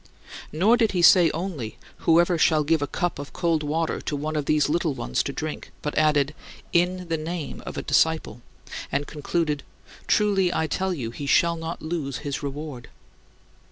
Nor did he say only, "Whoever shall give a cup of cold water to one of these little ones to drink," but added, "In the name of a disciple"; and concluded, "Truly I tell you he shall not lose his reward."